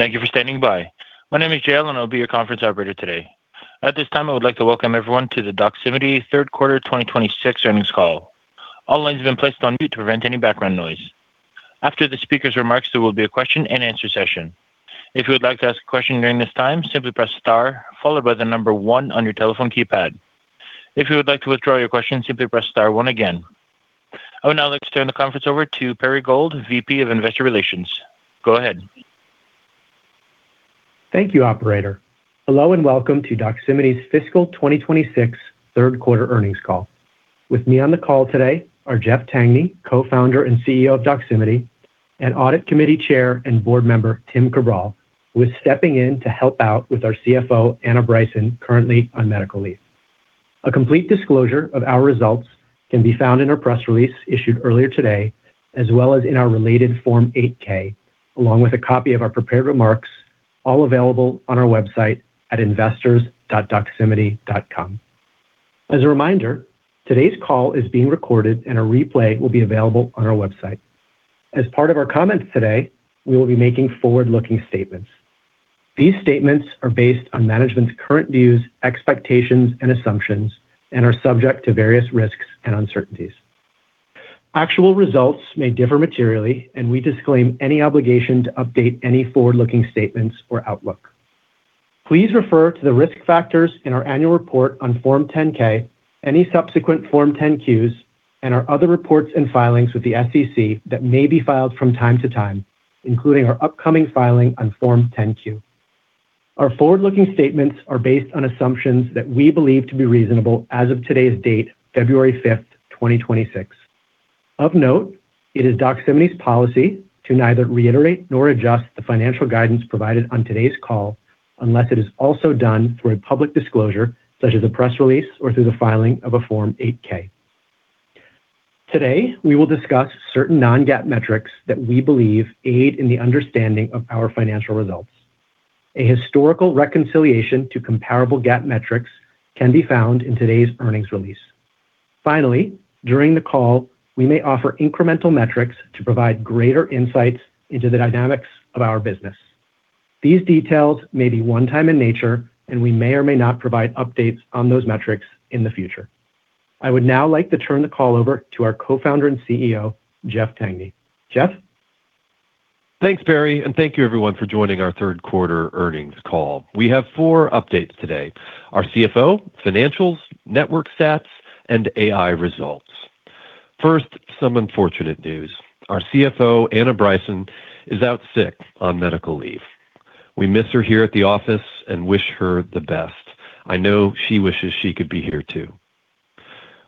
Thank you for standing by. My name is JL, and I'll be your conference operator today. At this time, I would like to welcome everyone to the Doximity third quarter 2026 earnings call. All lines have been placed on mute to prevent any background noise. After the speaker's remarks, there will be a question-and-answer session. If you would like to ask a question during this time, simply press star followed by the number 1 on your telephone keypad. If you would like to withdraw your question, simply press star 1 again. I would now like to turn the conference over to Perry Gold, VP of Investor Relations. Go ahead. Thank you, operator. Hello, and welcome to Doximity's Fiscal 2026 Third Quarter Earnings Call. With me on the call today are Jeff Tangney, Co-founder and CEO of Doximity, and Audit Committee Chair and board member, Tim Cabral, who is stepping in to help out with our CFO, Anna Bryson, currently on medical leave. A complete disclosure of our results can be found in our press release issued earlier today, as well as in our related Form 8-K, along with a copy of our prepared remarks, all available on our website at investors.doximity.com. As a reminder, today's call is being recorded and a replay will be available on our website. As part of our comments today, we will be making forward-looking statements. These statements are based on management's current views, expectations, and assumptions, and are subject to various risks and uncertainties. Actual results may differ materially, and we disclaim any obligation to update any forward-looking statements or outlook. Please refer to the risk factors in our annual report on Form 10-K, any subsequent Form 10-Qs, and our other reports and filings with the SEC that may be filed from time to time, including our upcoming filing on Form 10-Q. Our forward-looking statements are based on assumptions that we believe to be reasonable as of today's date, February 5, 2026. Of note, it is Doximity's policy to neither reiterate nor adjust the financial guidance provided on today's call unless it is also done through a public disclosure, such as a press release or through the filing of a Form 8-K. Today, we will discuss certain non-GAAP metrics that we believe aid in the understanding of our financial results. A historical reconciliation to comparable GAAP metrics can be found in today's earnings release. Finally, during the call, we may offer incremental metrics to provide greater insights into the dynamics of our business. These details may be one time in nature, and we may or may not provide updates on those metrics in the future. I would now like to turn the call over to our Co-founder and CEO, Jeff Tangney. Jeff? Thanks, Perry, and thank you everyone for joining our third quarter earnings call. We have four updates today: our CFO, financials, network stats, and AI results. First, some unfortunate news. Our CFO, Anna Bryson, is out sick on medical leave. We miss her here at the office and wish her the best. I know she wishes she could be here, too.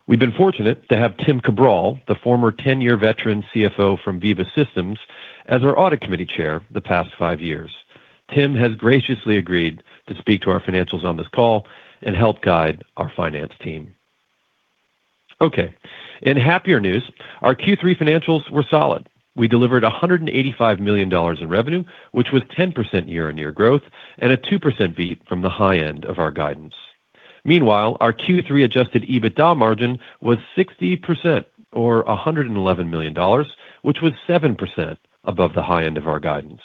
We've been fortunate to have Tim Cabral, the former 10-year veteran CFO from Veeva Systems, as our audit committee chair the past five years. Tim has graciously agreed to speak to our financials on this call and help guide our finance team. Okay, in happier news, our Q3 financials were solid. We delivered $185 million in revenue, which was 10% year-on-year growth and a 2% beat from the high end of our guidance. Meanwhile, our Q3 adjusted EBITDA margin was 60%, or $111 million, which was 7% above the high end of our guidance.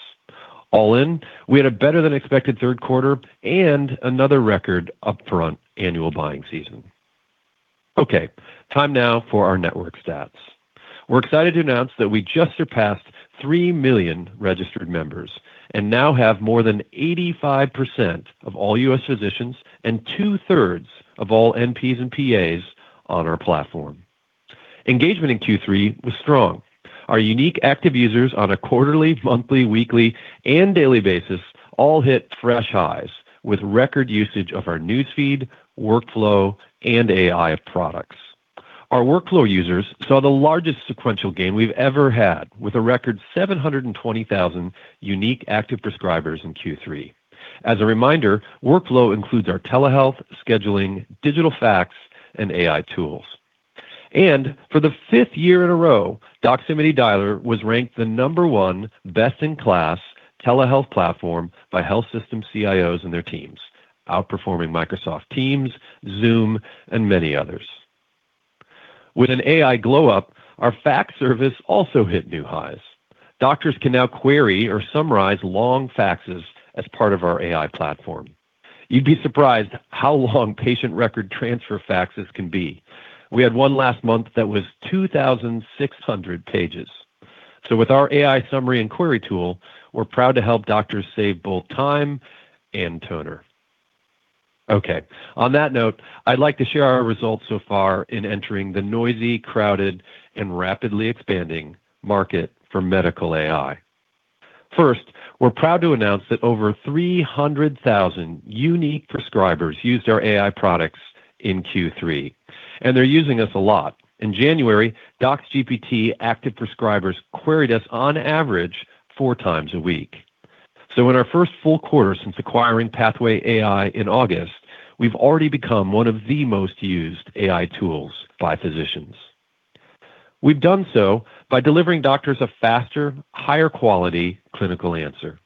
All in, we had a better than expected third quarter and another record upfront annual buying season. Okay, time now for our network stats. We're excited to announce that we just surpassed 3 million registered members and now have more than 85% of all US physicians and two-thirds of all NPs and PAs on our platform. Engagement in Q3 was strong. Our unique active users on a quarterly, monthly, weekly, and daily basis all hit fresh highs, with record usage of our Newsfeed, workflow, and AI products. Our workflow users saw the largest sequential gain we've ever had, with a record 720,000 unique active prescribers in Q3. As a reminder, workflow includes our telehealth, scheduling, digital fax, and AI tools. For the fifth year in a row, Doximity Dialer was ranked the number one best-in-class telehealth platform by health system CIOs and their teams, outperforming Microsoft Teams, Zoom, and many others. With an AI glow up, our fax service also hit new highs. Doctors can now query or summarize long faxes as part of our AI platform. You'd be surprised how long patient record transfer faxes can be. We had one last month that was 2,600 pages. With our AI summary and query tool, we're proud to help doctors save both time and toner. Okay, on that note, I'd like to share our results so far in entering the noisy, crowded, and rapidly expanding market for medical AI. First, we're proud to announce that over 300,000 unique prescribers used our AI products in Q3, and they're using us a lot. In January, DocsGPT active prescribers queried us on average 4x a week. So in our first full-quarter since acquiring Pathway AI in August, we've already become one of the most used AI tools by physicians. We've done so by delivering doctors a faster, higher quality clinical answer.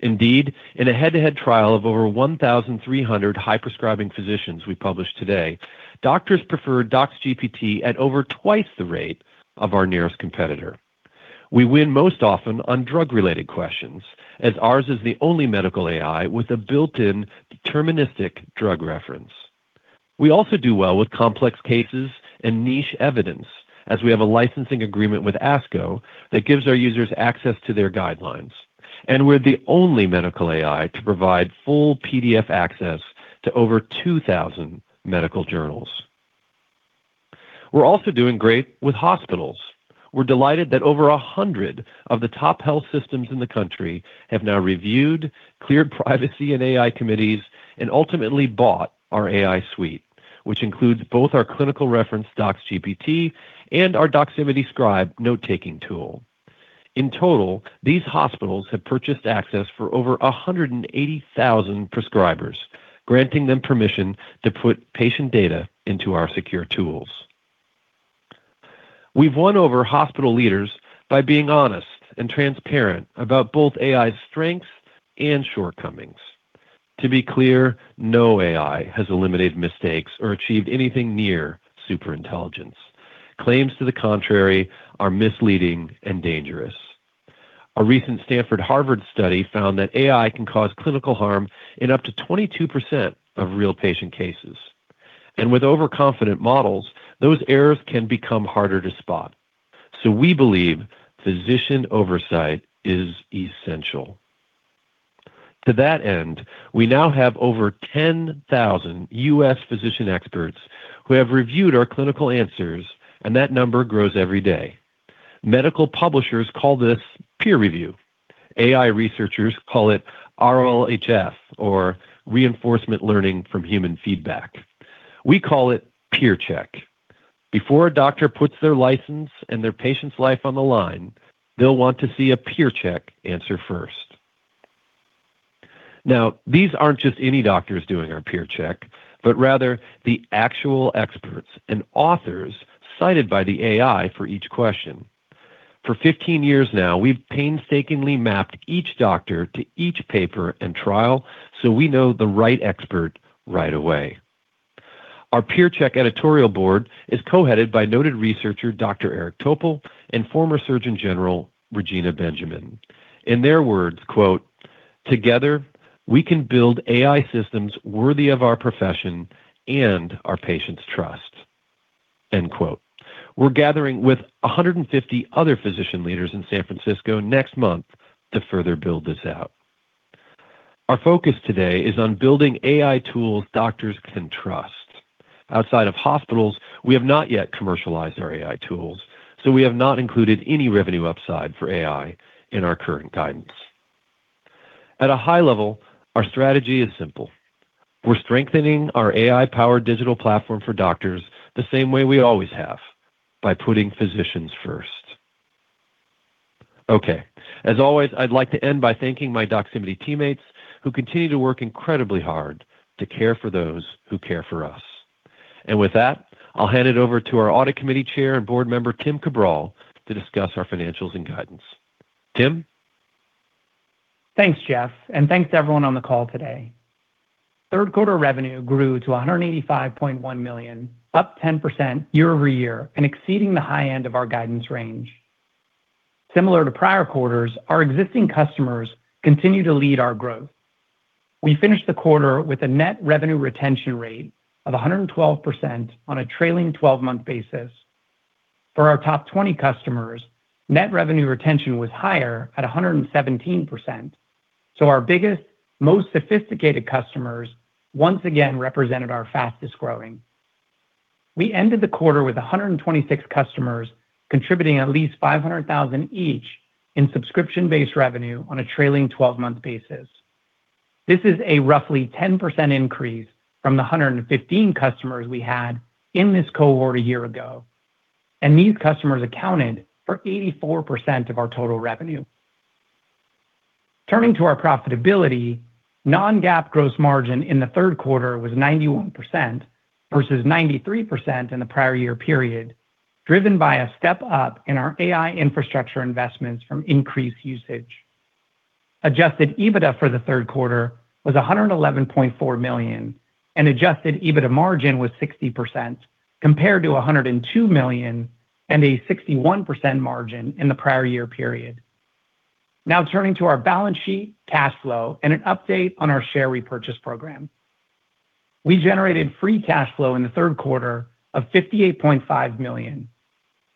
Indeed, in a head-to-head trial of over 1,300 high-prescribing physicians we published today, doctors preferred DocsGPT at over 2x the rate of our nearest competitor. We win most often on drug-related questions, as ours is the only medical AI with a built-in deterministic drug reference. We also do well with complex cases and niche evidence, as we have a licensing agreement with ASCO that gives our users access to their guidelines. We're the only medical AI to provide full PDF access to over 2,000 medical journals. We're also doing great with hospitals. We're delighted that over 100 of the top health systems in the country have now reviewed, cleared privacy and AI committees, and ultimately bought our AI suite, which includes both our clinical reference, DocsGPT, and our Doximity Scribe note-taking tool. In total, these hospitals have purchased access for over 180,000 prescribers, granting them permission to put patient data into our secure tools. We've won over hospital leaders by being honest and transparent about both AI's strengths and shortcomings. To be clear, no AI has eliminated mistakes or achieved anything near superintelligenceintelligence. Claims to the contrary are misleading and dangerous. A recent Stanford-Harvard study found that AI can cause clinical harm in up to 22% of real patient cases. With overconfident models, those errors can become harder to spot. We believe physician oversight is essential. To that end, we now have over 10,000 U.S. physician experts who have reviewed our clinical answers, and that number grows every day. Medical publishers call this peer review. AI researchers call it RLHF, or Reinforcement Learning from Human Feedback. We call it Peer Check. Before a doctor puts their license and their patient's life on the line, they'll want to see a Peer Check answer first. Now, these aren't just any doctors doing our Peer Check, but rather the actual experts and authors cited by the AI for each question. For 15 years now, we've painstakingly mapped each doctor to each paper and trial, so we know the right expert right away. Our Peer Check editorial board is co-headed by noted researcher, Dr. Eric Topol, and former Surgeon General, Regina Benjamin. In their words, quote, "Together, we can build AI systems worthy of our profession and our patients' trust," end quote. We're gathering with 150 other physician leaders in San Francisco next month to further build this out. Our focus today is on building AI tools doctors can trust. Outside of hospitals, we have not yet commercialized our AI tools, so we have not included any revenue upside for AI in our current guidance. At a high level, our strategy is simple: we're strengthening our AI-powered digital platform for doctors the same way we always have, by putting physicians first. Okay, as always, I'd like to end by thanking my Doximity teammates, who continue to work incredibly hard to care for those who care for us. With that, I'll hand it over to our Audit Committee Chair and board member, Tim Cabral, to discuss our financials and guidance, Tim? Thanks, Jeff, and thanks to everyone on the call today. Third quarter revenue grew to $185.1 million, up 10% year-over-year and exceeding the high end of our guidance range. Similar to prior quarters, our existing customers continue to lead our growth. We finished the quarter with a net revenue retention rate of 112% on a trailing twelve-month basis. For our top 20 customers, net revenue retention was higher at 117%, so our biggest, most sophisticated customers once again represented our fastest-growing. We ended the quarter with 126 customers, contributing at least $500,000 each in subscription-based revenue on a trailing twelve-month basis. This is a roughly 10% increase from the 115 customers we had in this cohort a year ago, and these customers accounted for 84% of our total revenue. Turning to our profitability, non-GAAP gross margin in the third quarter was 91% versus 93% in the prior year period, driven by a step-up in our AI infrastructure investments from increased usage. Adjusted EBITDA for the third quarter was $111.4 million, and adjusted EBITDA margin was 60%, compared to $102 million and a 61% margin in the prior year period. Now, turning to our balance sheet, cash flow, and an update on our share repurchase program. We generated free cash flow in the third quarter of $58.5 million.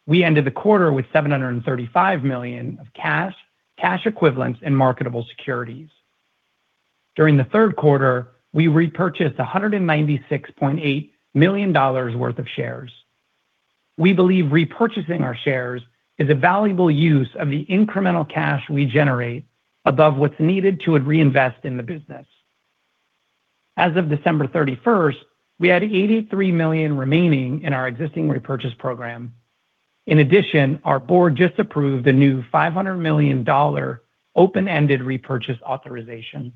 We ended the quarter with $735 million of cash, cash equivalents, and marketable securities. During the third quarter, we repurchased $196.8 million worth of shares. We believe repurchasing our shares is a valuable use of the incremental cash we generate above what's needed to reinvest in the business. As of December 31st, we had $83 million remaining in our existing repurchase program. In addition, our board just approved a new $500 million open-ended repurchase authorization.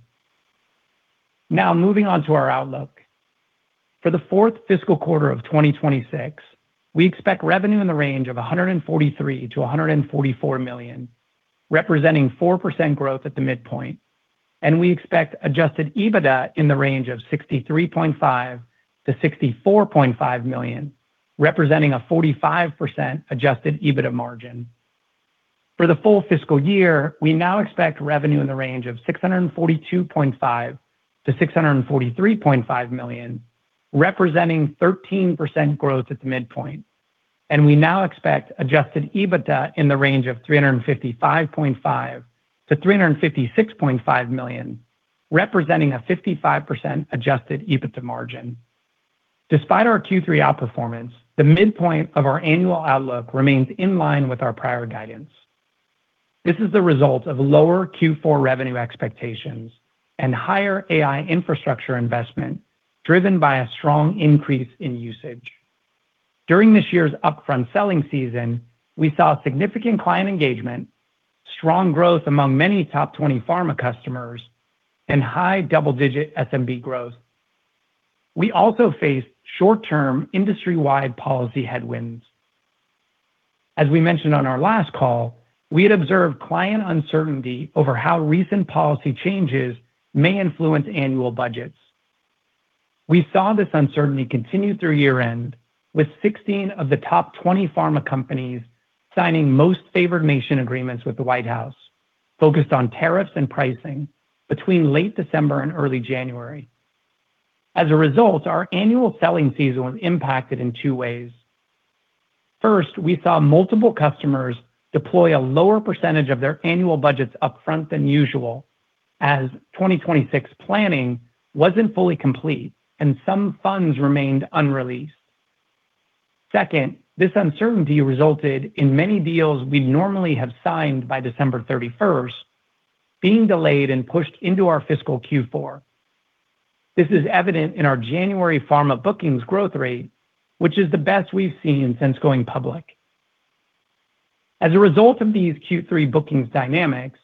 Now, moving on to our outlook. For the fourth fiscal quarter of 2026, we expect revenue in the range of $143 million-$144 million, representing 4% growth at the midpoint, and we expect Adjusted EBITDA in the range of $63.5 million-$64.5 million, representing a 45% Adjusted EBITDA margin. For the full fiscal year, we now expect revenue in the range of $642.5 million-$643.5 million, representing 13% growth at the midpoint. We now expect Adjusted EBITDA in the range of $355.5 million-$356.5 million, representing a 55% Adjusted EBITDA margin. Despite our Q3 outperformance, the midpoint of our annual outlook remains in line with our prior guidance. This is the result of lower Q4 revenue expectations and higher AI infrastructure investment, driven by a strong increase in usage. During this year's upfront selling season, we saw significant client engagement, strong growth among many top 20 pharma customers, and high double-digit SMB growth. We also faced short-term industry-wide policy headwinds. As we mentioned on our last call, we had observed client uncertainty over how recent policy changes may influence annual budgets. We saw this uncertainty continue through year-end, with 16 of the top 20 pharma companies signing Most Favored Nation agreements with the White House, focused on tariffs and pricing between late December and early January. As a result, our annual selling season was impacted in two ways. First, we saw multiple customers deploy a lower percentage of their annual budgets upfront than usual, as 2026 planning wasn't fully complete and some funds remained unreleased. Second, this uncertainty resulted in many deals we normally have signed by December 31st being delayed and pushed into our fiscal Q4. This is evident in our January pharma bookings growth rate, which is the best we've seen since going public. As a result of these Q3 bookings dynamics,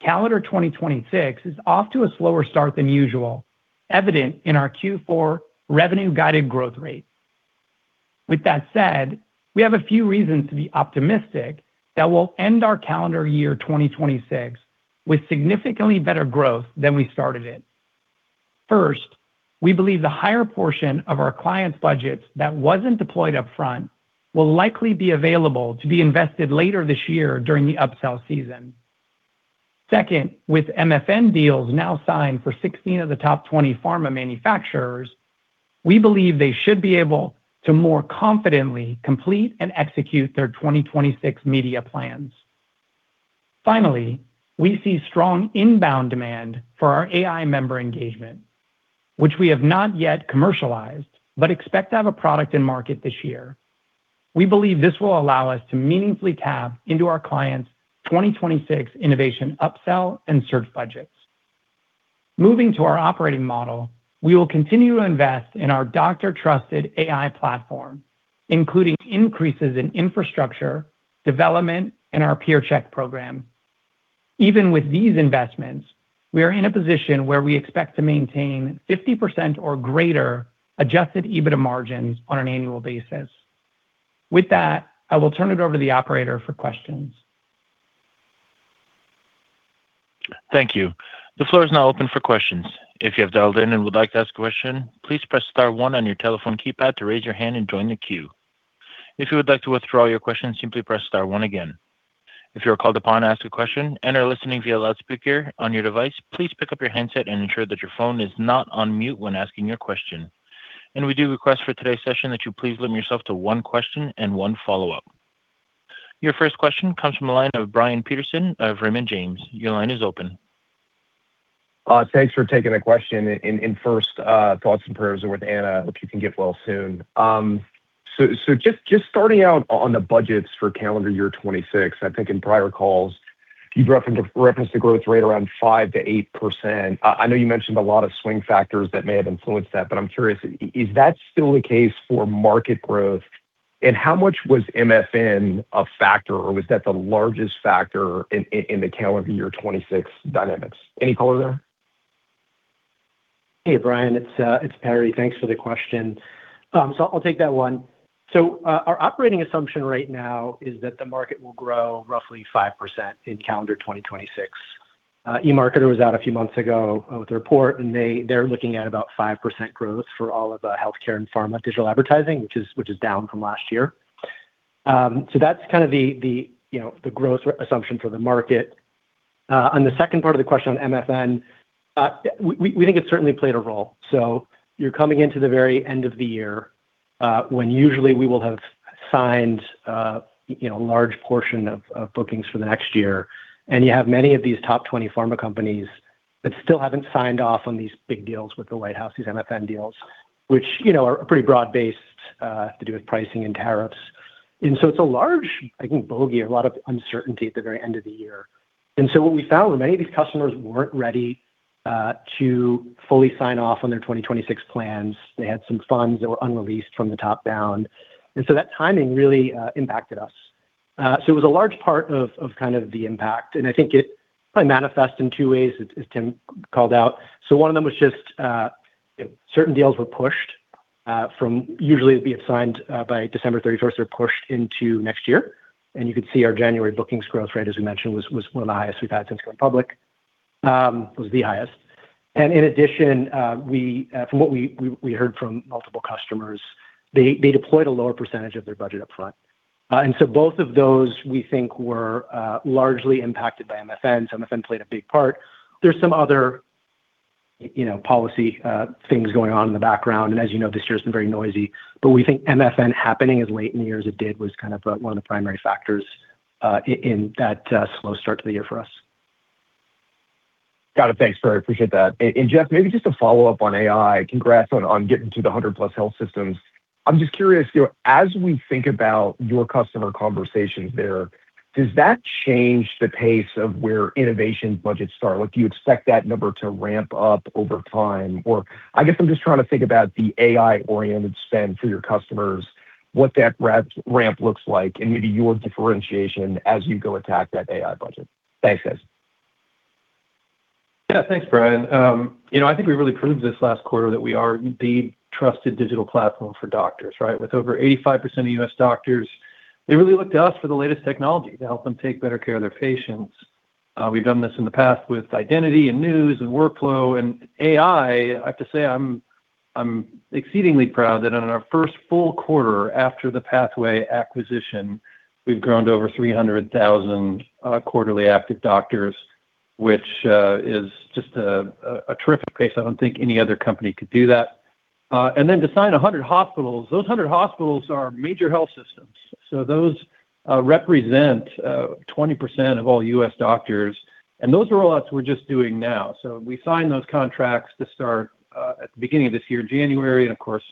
calendar 2026 is off to a slower start than usual, evident in our Q4 revenue-guided growth rate. With that said, we have a few reasons to be optimistic that we'll end our calendar year 2026 with significantly better growth than we started it. First, we believe the higher portion of our clients' budgets that wasn't deployed upfront will likely be available to be invested later this year during the upsell season. Second, with MFN deals now signed for 16 of the top 20 pharma manufacturers, we believe they should be able to more confidently complete and execute their 2026 media plans. Finally, we see strong inbound demand for our AI member engagement, which we have not yet commercialized, but expect to have a product in market this year. We believe this will allow us to meaningfully tap into our clients' 2026 innovation, upsell, and search budgets. Moving to our operating model, we will continue to invest in our doctor-trusted AI platform, including increases in infrastructure, development, and our Peer Check program. Even with these investments, we are in a position where we expect to maintain 50% or greater adjusted EBITDA margins on an annual basis. With that, I will turn it over to the operator for questions. Thank you. The floor is now open for questions. If you have dialed in and would like to ask a question, please press star one on your telephone keypad to raise your hand and join the queue. If you would like to withdraw your question, simply press star one again. If you are called upon to ask a question and are listening via loudspeaker on your device, please pick up your handset and ensure that your phone is not on mute when asking your question. We do request for today's session that you please limit yourself to one question and one follow-up. Your first question comes from the line of Brian Peterson of Raymond James. Your line is open. Thanks for taking the question and first, thoughts and prayers are with Anna. Hope you can get well soon. So just starting out on the budgets for calendar year 2026, I think in prior calls, you referenced the growth rate around 5%-8%. I know you mentioned a lot of swing factors that may have influenced that, but I'm curious, is that still the case for market growth, and how much was MFN a factor, or was that the largest factor in the calendar year 2026 dynamics? Any color there? Hey, Brian, it's Perry. Thanks for the question. So I'll take that one. So, our operating assumption right now is that the market will grow roughly 5% in calendar 2026. eMarketer was out a few months ago with a report, and they're looking at about 5% growth for all of the healthcare and pharma digital advertising, which is down from last year. So that's kind of the, you know, the growth re-assumption for the market. On the second part of the question on MFN, we think it certainly played a role. So you're coming into the very end of the year, when usually we will have signed, you know, a large portion of bookings for the next year. You have many of these top 20 pharma companies that still haven't signed off on these big deals with the White House, these MFN deals, which, you know, are pretty broad-based, to do with pricing and tariffs. So it's a large, I think, bogey, a lot of uncertainty at the very end of the year. So what we found was many of these customers weren't ready, to fully sign off on their 2026 plans. They had some funds that were unreleased from the top down, and so that timing really, impacted us. So it was a large part of, of kind of the impact, and I think it probably manifest in two ways, as, as Tim called out. So one of them was just certain deals were pushed from usually being signed by December 31st; they were pushed into next year, and you could see our January bookings growth rate, as we mentioned, was one of the highest we've had since going public.... it was the highest. And in addition, from what we heard from multiple customers, they deployed a lower percentage of their budget upfront. And so both of those, we think were largely impacted by MFN. So MFN played a big part. There's some other, you know, policy things going on in the background, and as you know, this year's been very noisy. But we think MFN happening as late in the year as it did, was kind of one of the primary factors, in that slow start to the year for us. Got it. Thanks, Perry. I appreciate that. And Jeff, maybe just a follow-up on AI. Congrats on getting to the 100+ health systems. I'm just curious, you know, as we think about your customer conversations there, does that change the pace of where innovation budgets start? Like, do you expect that number to ramp up over time? Or I guess I'm just trying to think about the AI-oriented spend for your customers, what that ramp looks like, and maybe your differentiation as you go attack that AI budget. Thanks, guys. Yeah, thanks, Brian. You know, I think we really proved this last quarter that we are the trusted digital platform for doctors, right? With over 85% of US doctors, they really look to us for the latest technology to help them take better care of their patients. We've done this in the past with identity and news and workflow and AI. I have to say, I'm exceedingly proud that on our first full-quarter after the Pathway acquisition, we've grown to over 300,000 quarterly active doctors, which is just a terrific pace. I don't think any other company could do that. And then to sign 100 hospitals, those 100 hospitals are major health systems. So those represent 20% of all US doctors, and those rollouts we're just doing now. So we signed those contracts to start, at the beginning of this year, January, and of course,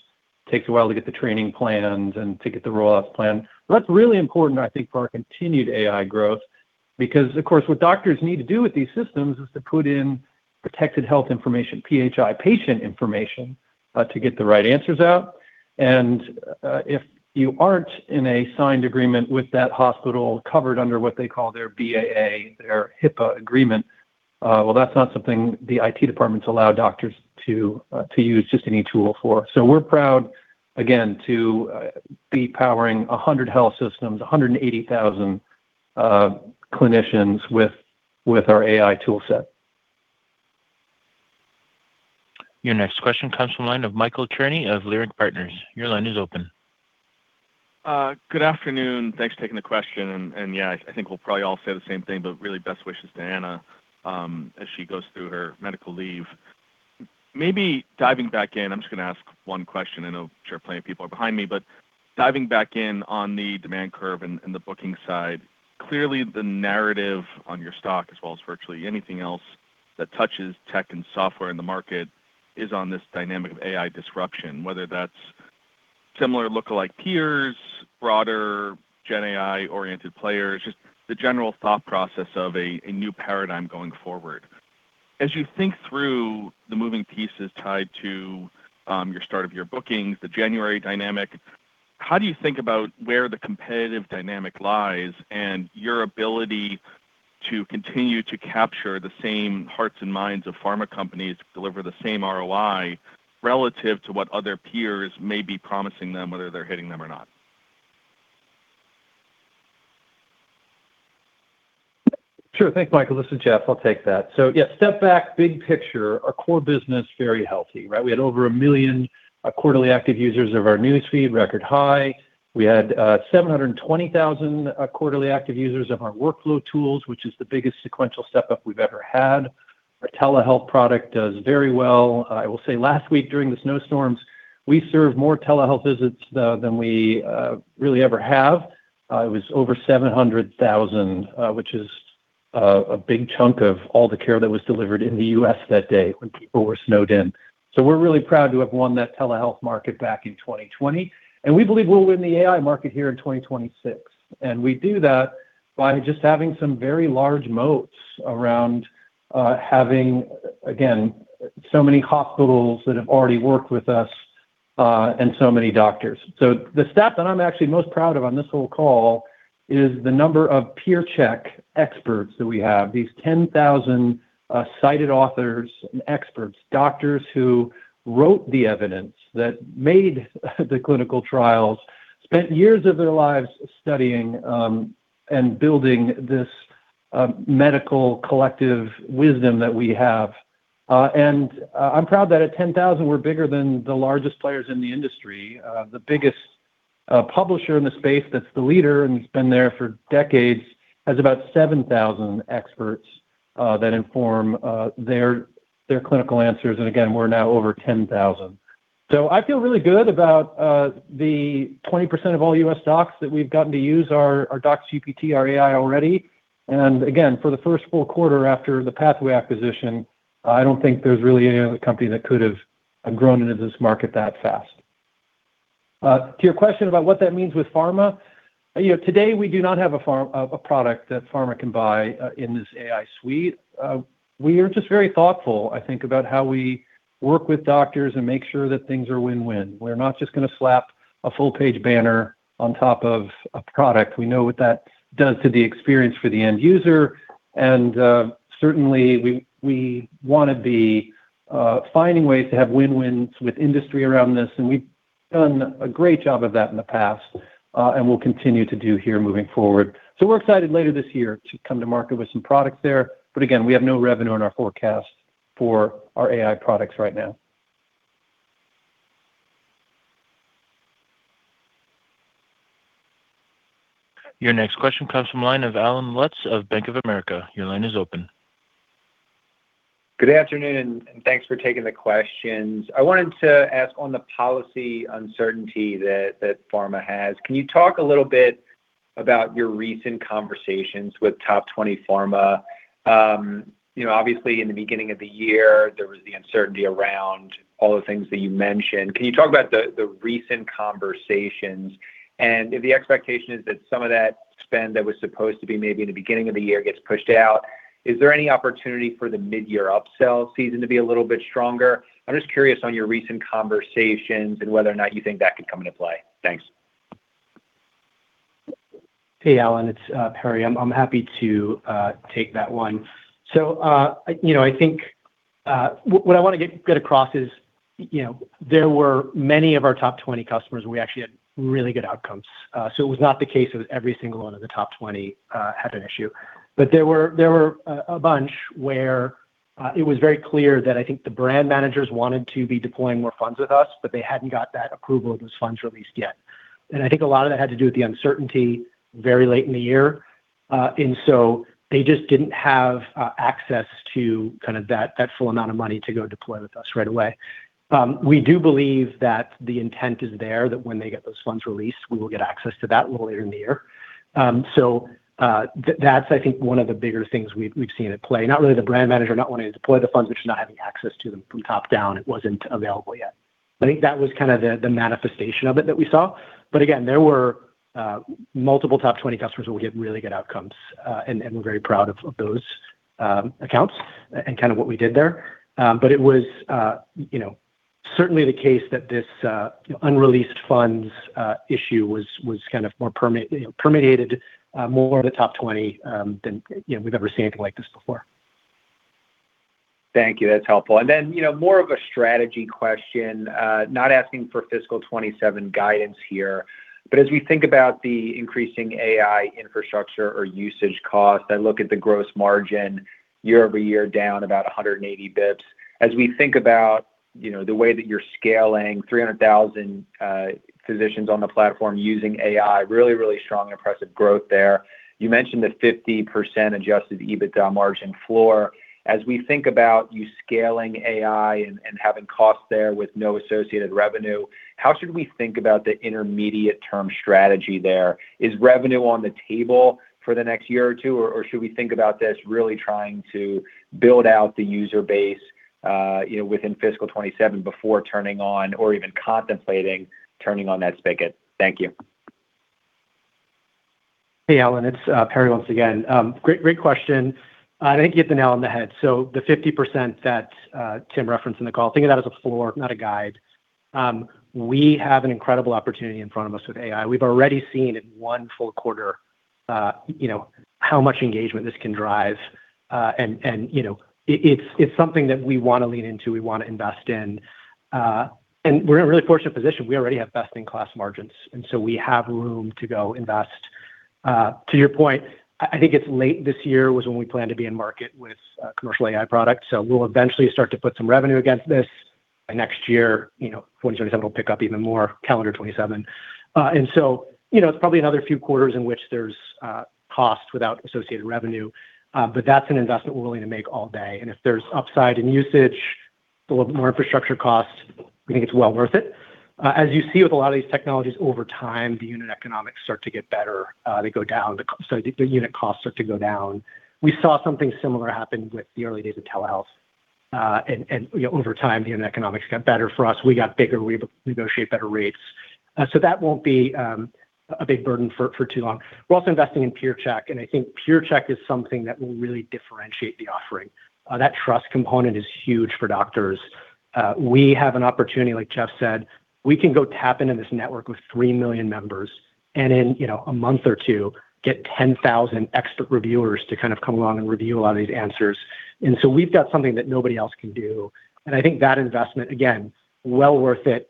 takes a while to get the training planned and to get the rollouts planned. That's really important, I think, for our continued AI growth, because of course, what doctors need to do with these systems is to put in protected health information, PHI, patient information, to get the right answers out. And if you aren't in a signed agreement with that hospital covered under what they call their BAA, their HIPAA agreement, well, that's not something the IT departments allow doctors to, to use just any tool for. So we're proud, again, to be powering 100 health systems, 180,000 clinicians with our AI toolset. Your next question comes from the line of Michael Cherny of Leerink Partners. Your line is open. Good afternoon. Thanks for taking the question, and yeah, I think we'll probably all say the same thing, but really, best wishes to Anna as she goes through her medical leave. Maybe diving back in, I'm just gonna ask one question, I know I'm sure plenty of people are behind me, but diving back in on the demand curve and the booking side, clearly the narrative on your stock, as well as virtually anything else that touches tech and software in the market, is on this dynamic of AI disruption, whether that's similar look-alike peers, broader gen AI-oriented players, just the general thought process of a new paradigm going forward. As you think through the moving pieces tied to your start of your bookings, the January dynamic, how do you think about where the competitive dynamic lies and your ability to continue to capture the same hearts and minds of pharma companies, deliver the same ROI, relative to what other peers may be promising them, whether they're hitting them or not? Sure. Thanks, Michael. This is Jeff. I'll take that. So yes, step back, big picture, our core business, very healthy, right? We had over 1 million quarterly active users of our news feed, record high. We had 720,000 quarterly active users of our workflow tools, which is the biggest sequential step up we've ever had. Our telehealth product does very well. I will say last week during the snowstorms, we served more telehealth visits than we really ever have. It was over 700,000, which is a big chunk of all the care that was delivered in the U.S. that day when people were snowed in. So we're really proud to have won that telehealth market back in 2020, and we believe we'll win the AI market here in 2026. And we do that by just having some very large moats around, again, so many hospitals that have already worked with us, and so many doctors. So the stat that I'm actually most proud of on this whole call is the number of Peer Check experts that we have, these 10,000 cited authors and experts, doctors who wrote the evidence that made the clinical trials, spent years of their lives studying, and building this, medical collective wisdom that we have. And, I'm proud that at 10,000, we're bigger than the largest players in the industry. The biggest publisher in the space that's the leader and has been there for decades, has about 7,000 experts that inform their clinical answers. And again, we're now over 10,000. So I feel really good about the 20% of all US docs that we've gotten to use our DocsGPT, our AI already. And again, for the first full-quarter after the Pathway acquisition, I don't think there's really any other company that could have grown into this market that fast. To your question about what that means with pharma, you know, today we do not have a product that pharma can buy in this AI suite. We are just very thoughtful, I think, about how we work with doctors and make sure that things are win-win. We're not just gonna slap a full-page banner on top of a product. We know what that does to the experience for the end user, and certainly, we wanna be finding ways to have win-wins with industry around this, and we-... done a great job of that in the past, and we'll continue to do here moving forward. So we're excited later this year to come to market with some products there. But again, we have no revenue in our forecast for our AI products right now. Your next question comes from the line of Allen Lutz of Bank of America. Your line is open. Good afternoon, and thanks for taking the questions. I wanted to ask on the policy uncertainty that pharma has, can you talk a little bit about your recent conversations with top 20 pharma? You know, obviously, in the beginning of the year, there was the uncertainty around all the things that you mentioned. Can you talk about the recent conversations? And if the expectation is that some of that spend that was supposed to be maybe in the beginning of the year gets pushed out, is there any opportunity for the mid-year upsell season to be a little bit stronger? I'm just curious on your recent conversations and whether or not you think that could come into play. Thanks. Hey, Allen, it's Perry. I'm happy to take that one. So, you know, I think what I wanna get across is, you know, there were many of our top 20 customers, we actually had really good outcomes. So it was not the case that every single one of the top 20 had an issue. But there were a bunch where it was very clear that I think the brand managers wanted to be deploying more funds with us, but they hadn't got that approval of those funds released yet. And I think a lot of that had to do with the uncertainty very late in the year. And so they just didn't have access to kind of that full amount of money to go deploy with us right away. We do believe that the intent is there, that when they get those funds released, we will get access to that a little later in the year. So, that's, I think, one of the bigger things we've seen at play. Not really the brand manager not wanting to deploy the funds, but just not having access to them from top down. It wasn't available yet. I think that was kind of the manifestation of it that we saw. But again, there were multiple top 20 customers where we get really good outcomes, and we're very proud of those accounts and kind of what we did there. But it was, you know, certainly the case that this unreleased funds issue was kind of more permeated more of the top 20 than, you know, we've ever seen anything like this before. Thank you. That's helpful. And then, you know, more of a strategy question, not asking for fiscal 2027 guidance here, but as we think about the increasing AI infrastructure or usage cost, I look at the gross margin year-over-year, down about 180 basis points. As we think about, you know, the way that you're scaling 300,000 physicians on the platform using AI, really, really strong, impressive growth there. You mentioned the 50% adjusted EBITDA margin floor. As we think about you scaling AI and having costs there with no associated revenue, how should we think about the intermediate-term strategy there? Is revenue on the table for the next year or two, or should we think about this really trying to build out the user base, you know, within fiscal 27 before turning on or even contemplating turning on that spigot? Thank you. Hey, Allen, it's Perry, once again. Great, great question. I think you hit the nail on the head. So the 50% that Tim referenced in the call, think of that as a floor, not a guide. We have an incredible opportunity in front of us with AI. We've already seen in one full-quarter, you know, how much engagement this can drive. And you know, it's something that we wanna lean into, we wanna invest in. And we're in a really fortunate position. We already have best-in-class margins, and so we have room to go invest. To your point, I think it's late this year was when we plan to be in market with commercial AI products. So we'll eventually start to put some revenue against this. By next year, you know, 2027 will pick up even more, calendar 2027. So, you know, it's probably another few quarters in which there's cost without associated revenue, but that's an investment we're willing to make all day. And if there's upside in usage, a little bit more infrastructure costs, we think it's well worth it. As you see with a lot of these technologies, over time, the unit economics start to get better, they go down, so the unit costs start to go down. We saw something similar happen with the early days of telehealth. And, you know, over time, the unit economics got better for us. We got bigger, we negotiate better rates. So that won't be a big burden for too long. We're also investing in Peer Check, and I think Peer Check is something that will really differentiate the offering. That trust component is huge for doctors. We have an opportunity, like Jeff said, we can go tap into this network with 3 million members, and in, you know, a month or two, get 10,000 extra reviewers to kind of come along and review a lot of these answers. And so we've got something that nobody else can do. And I think that investment, again, well worth it,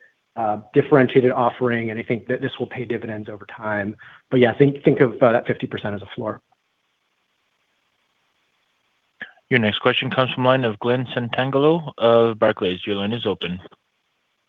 differentiated offering, and I think that this will pay dividends over time. But yeah, think, think of that 50% as a floor. Your next question comes from the line of Glenn Santangelo of Barclays. Your line is open.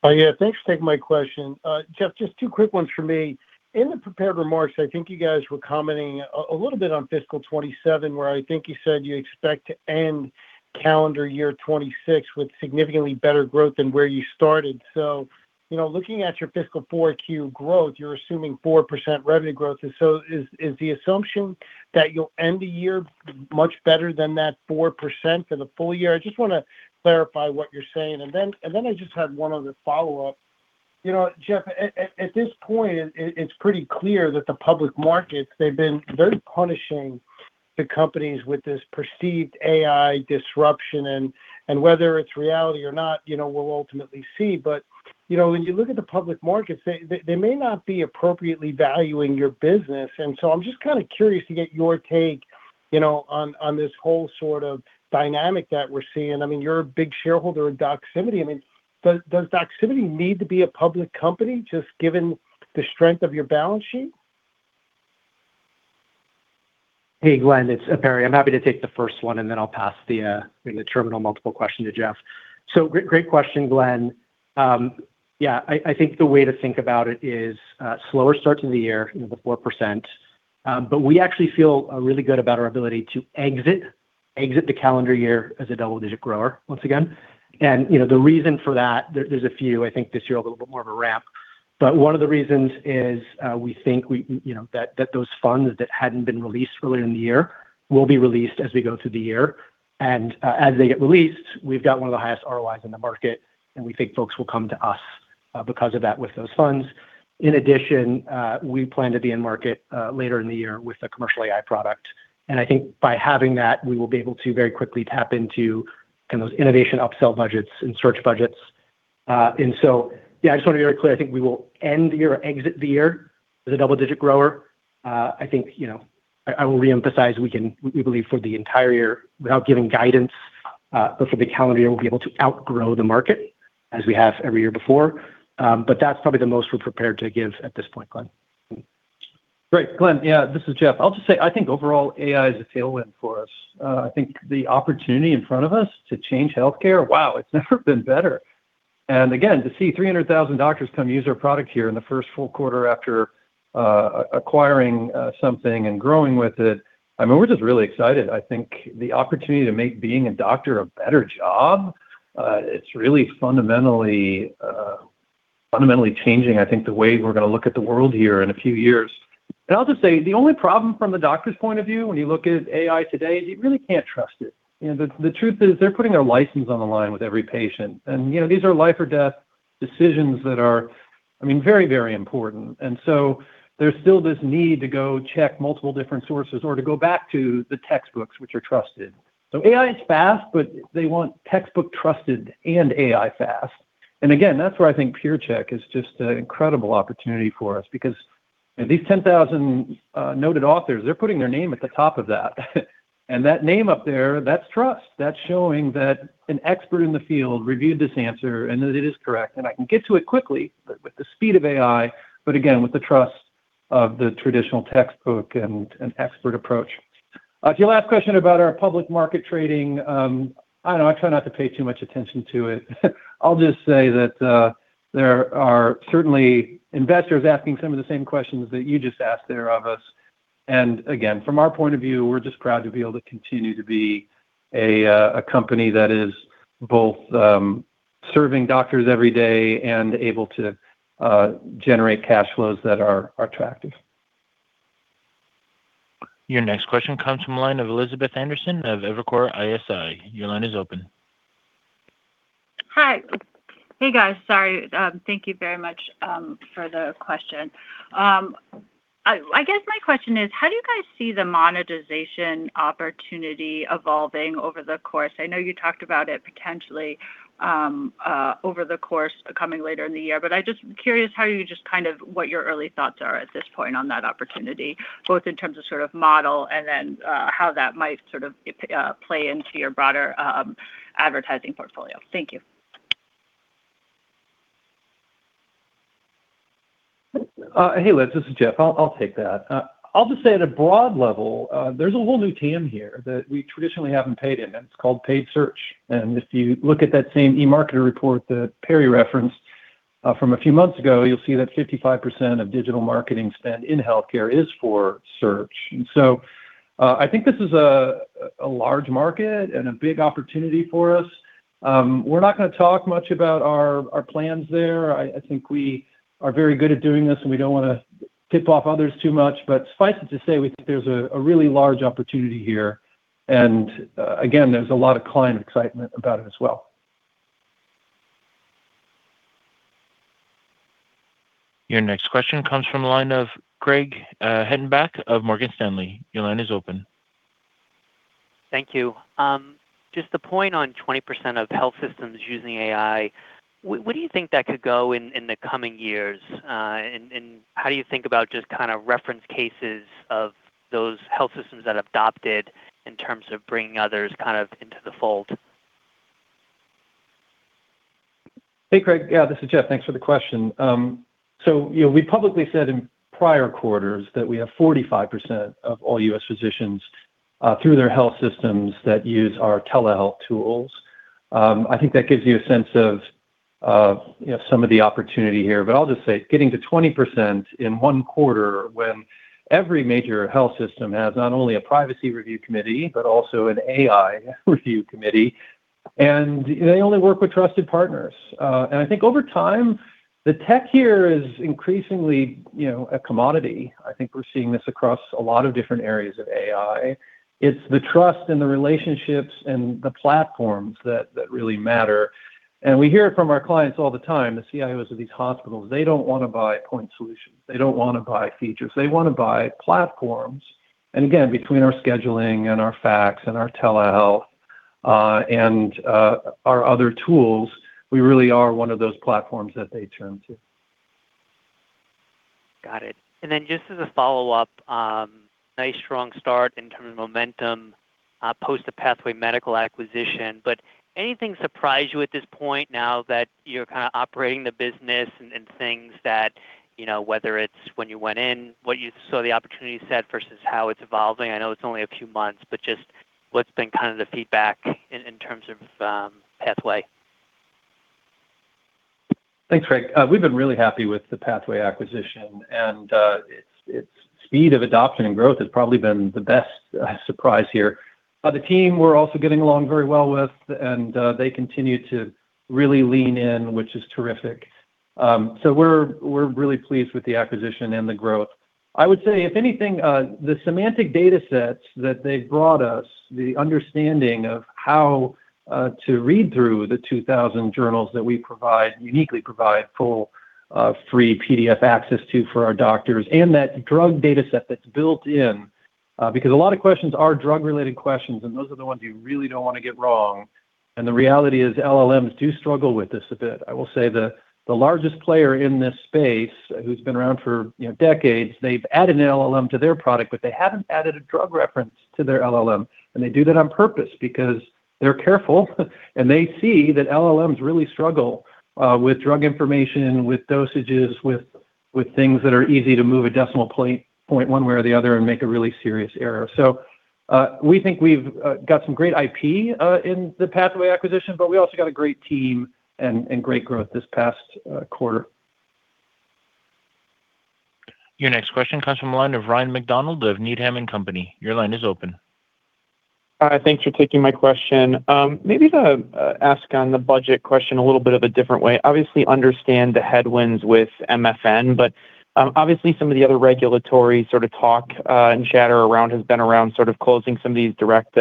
Yeah, thanks for taking my question. Jeff, just two quick ones for me. In the prepared remarks, I think you guys were commenting a little bit on fiscal 2027, where I think you said you expect to end calendar year 2026 with significantly better growth than where you started. So, you know, looking at your fiscal 4Q growth, you're assuming 4% revenue growth. So is the assumption that you'll end the year much better than that 4% for the full-year? I just wanna clarify what you're saying. And then I just had one other follow-up. You know, Jeff, at this point, it's pretty clear that the public markets, they've been very punishing the companies with this perceived AI disruption. And whether it's reality or not, you know, we'll ultimately see. You know, when you look at the public markets, they may not be appropriately valuing your business. And so I'm just kinda curious to get your take-... you know, on this whole sort of dynamic that we're seeing, I mean, you're a big shareholder in Doximity. I mean, does Doximity need to be a public company, just given the strength of your balance sheet? Hey, Glenn, it's Perry. I'm happy to take the first one, and then I'll pass the the terminal multiple question to Jeff. So great, great question, Glenn. Yeah, I think the way to think about it is slower start to the year, you know, the 4%. But we actually feel really good about our ability to exit the calendar year as a double-digit grower once again. And, you know, the reason for that, there's a few. I think this year, a little bit more of a wrap. But one of the reasons is we think we, you know, that those funds that hadn't been released earlier in the year will be released as we go through the year. As they get released, we've got one of the highest ROIs in the market, and we think folks will come to us because of that with those funds. In addition, we plan to be in market later in the year with a commercial AI product, and I think by having that, we will be able to very quickly tap into kind of those innovation upsell budgets and search budgets. So, yeah, I just wanna be very clear, I think we will end the year, exit the year as a double-digit grower. I think, you know, I will reemphasize, we believe for the entire year, without giving guidance, but for the calendar year, we'll be able to outgrow the market as we have every year before. That's probably the most we're prepared to give at this point, Glenn. Great, Glenn. Yeah, this is Jeff. I'll just say, I think overall, AI is a tailwind for us. I think the opportunity in front of us to change healthcare, wow, it's never been better! And again, to see 300,000 doctors come use our product here in the first full-quarter after acquiring something and growing with it, I mean, we're just really excited. I think the opportunity to make being a doctor a better job, it's really fundamentally, fundamentally changing, I think the way we're gonna look at the world here in a few years. And I'll just say, the only problem from the doctor's point of view, when you look at AI today, is you really can't trust it. You know, the truth is, they're putting their license on the line with every patient. You know, these are life or death decisions that are, I mean, very, very important. And so there's still this need to go check multiple different sources or to go back to the textbooks, which are trusted. So AI is fast, but they want textbook trusted and AI fast. And again, that's where I think Peer Check is just an incredible opportunity for us because these 10,000 noted authors, they're putting their name at the top of that. And that name up there, that's trust. That's showing that an expert in the field reviewed this answer and that it is correct, and I can get to it quickly, but with the speed of AI, but again, with the trust of the traditional textbook and expert approach. To your last question about our public market trading, I don't know, I try not to pay too much attention to it. I'll just say that, there are certainly investors asking some of the same questions that you just asked there of us. And again, from our point of view, we're just proud to be able to continue to be a company that is both serving doctors every day and able to generate cash flows that are attractive. Your next question comes from the line of Elizabeth Anderson of Evercore ISI. Your line is open. Hi. Hey, guys, sorry. Thank you very much for the question. I guess my question is: How do you guys see the monetization opportunity evolving over the course? I know you talked about it potentially over the course coming later in the year, but I just curious how you just kind of, what your early thoughts are at this point on that opportunity, both in terms of sort of model and then how that might sort of play into your broader advertising portfolio. Thank you. Hey, Liz, this is Jeff. I'll take that. I'll just say at a broad level, there's a whole new TAM here that we traditionally haven't paid in, and it's called paid search. And if you look at that same eMarketer report that Perry referenced from a few months ago, you'll see that 55% of digital marketing spend in healthcare is for search. And so, I think this is a large market and a big opportunity for us. We're not gonna talk much about our plans there. I think we are very good at doing this, and we don't wanna tip off others too much. But suffice it to say, we think there's a really large opportunity here, and again, there's a lot of client excitement about it as well. Your next question comes from the line of Craig Hettenbach of Morgan Stanley. Your line is open. Thank you. Just the point on 20% of health systems using AI, where do you think that could go in the coming years? And how do you think about just kinda reference cases of those health systems that have adopted in terms of bringing others kind of into the fold? Hey, Greg. Yeah, this is Jeff. Thanks for the question. So, you know, we publicly said in prior quarters that we have 45% of all U.S. physicians, through their health systems that use our telehealth tools. I think that gives you a sense of, you know, some of the opportunity here. But I'll just say, getting to 20% in one quarter, when every major health system has not only a privacy review committee, but also an AI review committee, and they only work with trusted partners. And I think over time, the tech here is increasingly, you know, a commodity. I think we're seeing this across a lot of different areas of AI. It's the trust and the relationships and the platforms that really matter. And we hear it from our clients all the time, the CIOs of these hospitals, they don't wanna buy point solutions. They don't wanna buy features. They wanna buy platforms. And again, between our scheduling and our fax and our telehealth, and our other tools, we really are one of those platforms that they turn to.... Got it. And then just as a follow-up, nice, strong start in terms of momentum post the Pathway acquisition. But anything surprise you at this point now that you're kind of operating the business and things that, you know, whether it's when you went in, what you saw the opportunity set versus how it's evolving? I know it's only a few months, but just what's been kind of the feedback in terms of Pathway? Thanks, Craig. We've been really happy with the Pathway acquisition, and, its, its speed of adoption and growth has probably been the best surprise here. The team, we're also getting along very well with, and, they continue to really lean in, which is terrific. So we're, we're really pleased with the acquisition and the growth. I would say, if anything, the semantic datasets that they've brought us, the understanding of how, to read through the 2,000 journals that we provide, uniquely provide full, free PDF access to for our doctors, and that drug dataset that's built in, because a lot of questions are drug-related questions, and those are the ones you really don't want to get wrong. And the reality is, LLMs do struggle with this a bit. I will say the largest player in this space, who's been around for, you know, decades, they've added an LLM to their product, but they haven't added a drug reference to their LLM, and they do that on purpose because they're careful, and they see that LLMs really struggle with drug information, with dosages, with things that are easy to move a decimal point one way or the other and make a really serious error. So, we think we've got some great IP in the Pathway acquisition, but we also got a great team and great growth this past quarter. Your next question comes from the line of Ryan MacDonald of Needham & Company. Your line is open. Hi, thanks for taking my question. Maybe to ask on the budget question a little bit of a different way. Obviously, understand the headwinds with MFN, but obviously, some of the other regulatory sort of talk and chatter around has been around sort of closing some of these direct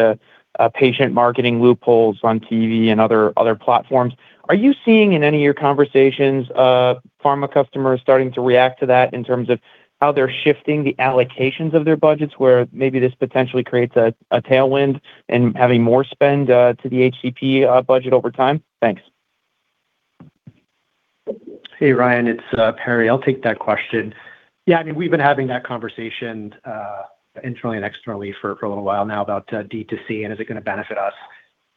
patient marketing loopholes on TV and other platforms. Are you seeing, in any of your conversations, pharma customers starting to react to that in terms of how they're shifting the allocations of their budgets, where maybe this potentially creates a tailwind and having more spend to the HCP budget over time? Thanks. Hey, Ryan, it's Perry. I'll take that question. Yeah, I mean, we've been having that conversation internally and externally for a little while now about DTC and is it gonna benefit us.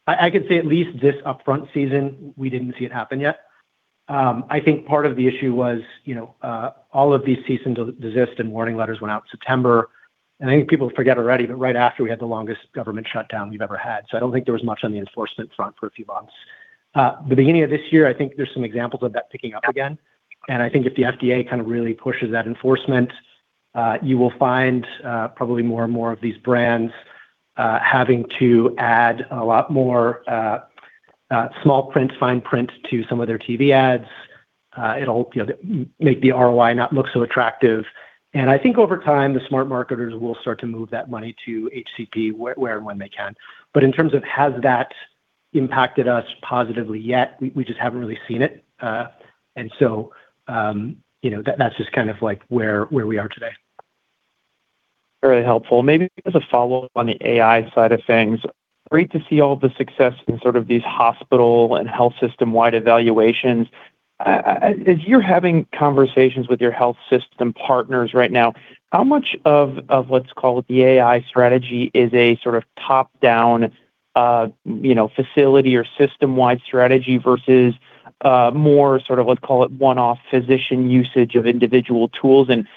I could say at least this upfront season, we didn't see it happen yet. I think part of the issue was, you know, all of these cease and desist and warning letters went out in September. I think people forget already, but right after, we had the longest government shutdown we've ever had, so I don't think there was much on the enforcement front for a few months. The beginning of this year, I think there's some examples of that picking up again. And I think if the FDA kind of really pushes that enforcement, you will find probably more and more of these brands having to add a lot more small print, fine print to some of their TV ads. It'll, you know, make the ROI not look so attractive. And I think over time, the smart marketers will start to move that money to HCP where and when they can. But in terms of has that impacted us positively yet, we just haven't really seen it. And so, you know, that's just kind of like where we are today. Very helpful. Maybe as a follow-up on the AI side of things, great to see all the success in sort of these hospital and health system-wide evaluations. As you're having conversations with your health system partners right now, how much of what's called the AI strategy is a sort of top-down, you know, facility or system-wide strategy versus more sort of, let's call it, one-off physician usage of individual tools? And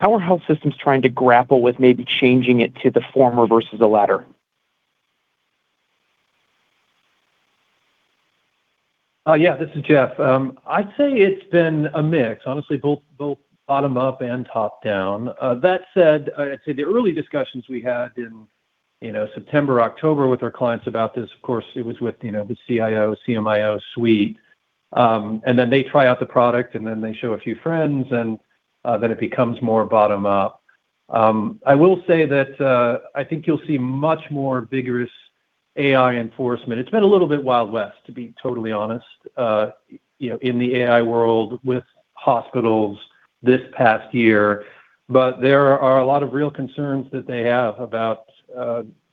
how are health systems trying to grapple with maybe changing it to the former versus the latter? Yeah. This is Jeff. I'd say it's been a mix, honestly, both, both bottom-up and top-down. That said, I'd say the early discussions we had in, you know, September, October with our clients about this, of course, it was with, you know, the CIO, CMIO suite. And then they try out the product, and then they show a few friends, and then it becomes more bottom-up. I will say that I think you'll see much more vigorous AI enforcement. It's been a little bit Wild West, to be totally honest, you know, in the AI world with hospitals this past year. But there are a lot of real concerns that they have about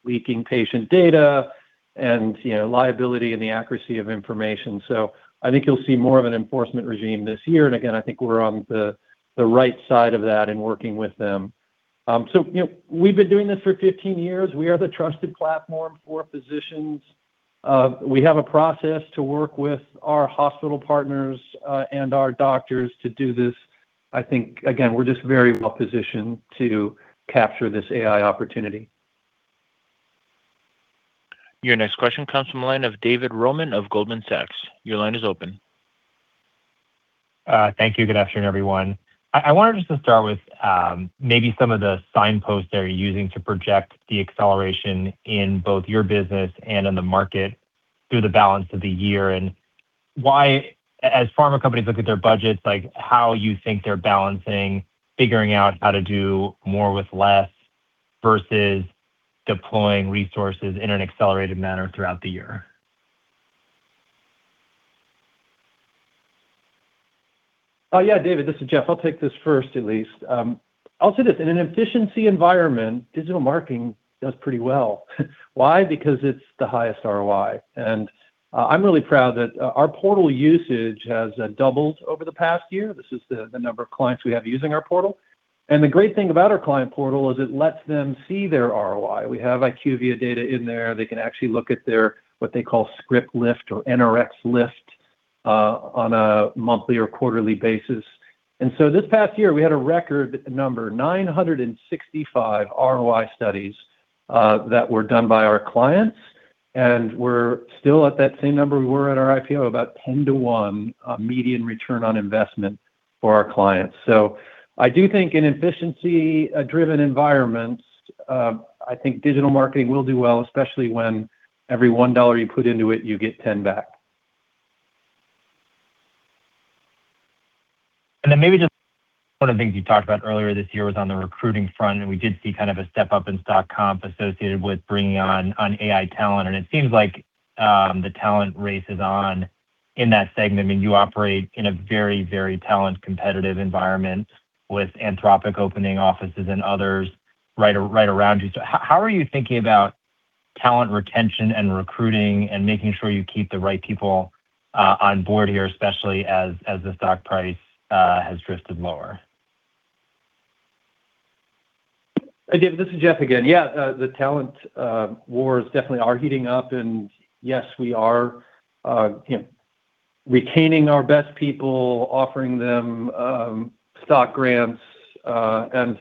leaking patient data and, you know, liability and the accuracy of information. So I think you'll see more of an enforcement regime this year. And again, I think we're on the right side of that in working with them. So, you know, we've been doing this for 15 years. We are the trusted platform for physicians. We have a process to work with our hospital partners, and our doctors to do this. I think, again, we're just very well positioned to capture this AI opportunity. Your next question comes from the line of David Roman of Goldman Sachs. Your line is open. Thank you. Good afternoon, everyone. I wanted just to start with, maybe some of the signposts that you're using to project the acceleration in both your business and in the market through the balance of the year. And why-- as pharma companies look at their budgets, like, how you think they're balancing, figuring out how to do more with less, versus deploying resources in an accelerated manner throughout the year? Yeah, David, this is Jeff. I'll take this first, at least. I'll say this, in an efficiency environment, digital marketing does pretty well. Why? Because it's the highest ROI. And I'm really proud that our portal usage has doubled over the past year. This is the number of clients we have using our portal. And the great thing about our client portal is it lets them see their ROI. We have IQVIA data in there. They can actually look at their what they call script lift or NRx lift on a monthly or quarterly basis. And so this past year, we had a record number, 965 ROI studies that were done by our clients, and we're still at that same number we were at our IPO, about 10-to-1 median return on investment for our clients. I do think in efficiency-driven environments, I think digital marketing will do well, especially when every $1 you put into it, you get $10 back. Then maybe just one of the things you talked about earlier this year was on the recruiting front, and we did see kind of a step-up in stock comp associated with bringing on AI talent, and it seems like the talent race is on in that segment. I mean, you operate in a very, very talent-competitive environment with Anthropic opening offices and others right around you. So how are you thinking about talent retention and recruiting and making sure you keep the right people on board here, especially as the stock price has drifted lower? Again, this is Jeff again. Yeah, the talent wars definitely are heating up, and yes, we are, you know, retaining our best people, offering them stock grants. And,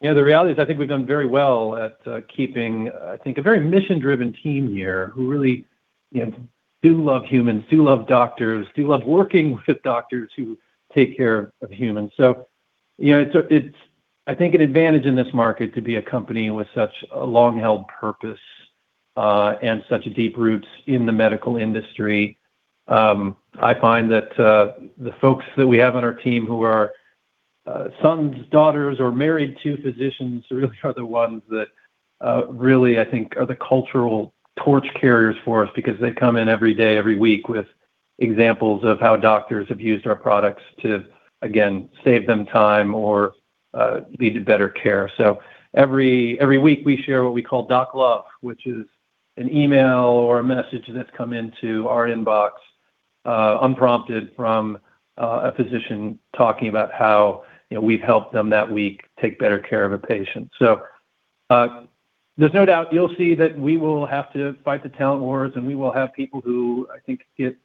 you know, the reality is, I think we've done very well at keeping, I think, a very mission-driven team here who really, you know, do love humans, do love doctors, do love working with doctors who take care of humans. So, you know, it's, it's I think an advantage in this market to be a company with such a long-held purpose and such a deep roots in the medical industry. I find that the folks that we have on our team who are sons, daughters, or married to physicians really are the ones that really, I think, are the cultural torch carriers for us because they come in every day, every week with examples of how doctors have used our products to, again, save them time or lead to better care. So every week we share what we call Doc Love, which is an email or a message that's come into our inbox unprompted from a physician talking about how, you know, we've helped them that week take better care of a patient. There's no doubt you'll see that we will have to fight the talent wars, and we will have people who, I think, get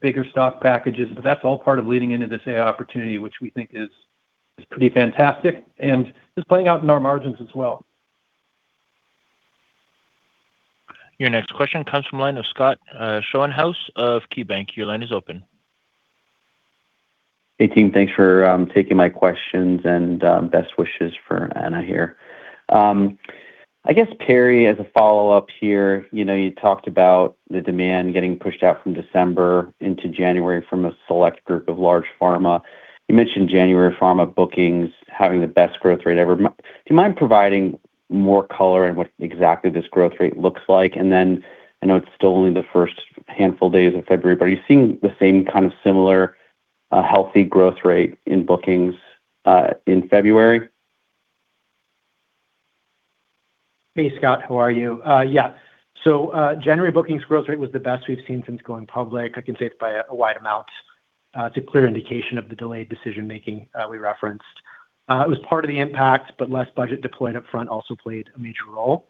bigger stock packages, but that's all part of leading into this AI opportunity, which we think is, is pretty fantastic and is playing out in our margins as well. Your next question comes from line of Scott Schoenhaus of KeyBanc. Your line is open. Hey, team. Thanks for taking my questions and best wishes for Anna here. I guess, Perry, as a follow-up here, you know, you talked about the demand getting pushed out from December into January from a select group of large pharma. You mentioned January pharma bookings having the best growth rate ever. Do you mind providing more color on what exactly this growth rate looks like? And then I know it's still only the first handful days of February, but are you seeing the same kind of similar healthy growth rate in bookings in February? Hey, Scott, how are you? Yeah. So, January bookings growth rate was the best we've seen since going public. I can say it's by a wide amount. It's a clear indication of the delayed decision-making we referenced. It was part of the impact, but less budget deployed up front also played a major role.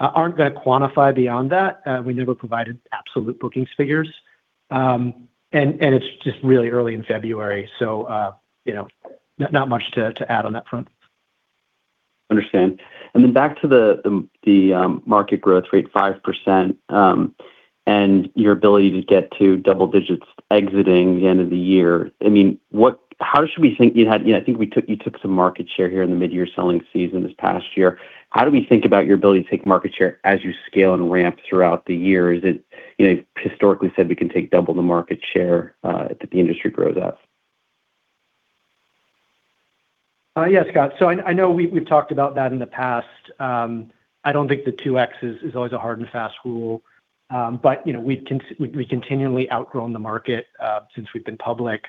Aren't gonna quantify beyond that. We never provided absolute bookings figures. And it's just really early in February, so, you know, not much to add on that front. Understand. Then back to the market growth rate, 5%, and your ability to get to double digits exiting the end of the year. I mean, how should we think? You know, I think you took some market share here in the mid-year selling season this past year. How do we think about your ability to take market share as you scale and ramp throughout the year? Is it, you know, historically said, we can take double the market share that the industry grows at. Yes, Scott. So I know we've talked about that in the past. I don't think the 2x is always a hard and fast rule, but you know, we've continually outgrown the market since we've been public.